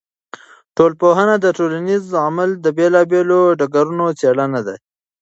ټولنپوهنه د ټولنیز عمل د بېلا بېلو ډګرونو څېړنه ده.